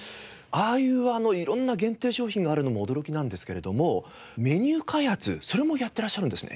ああいう色んな限定商品があるのも驚きなんですけれどもメニュー開発それもやってらっしゃるんですね。